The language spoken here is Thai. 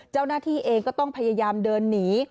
เจ้าหน้าที่เองก็ต้องพยายามเดินหนี